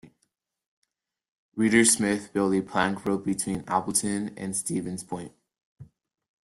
Reeder Smith built the plank road between Appleton and Stevens Point.